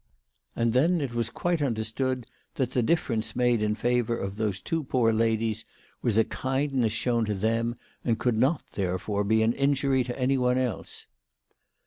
And then it was quite understood that the difference made in favour of those two poor ladies was a kindness shown to them, and could not therefore be an injury to any one else.